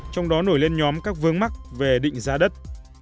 trong đó nổi lên nhóm các vướng mắc về định giá đất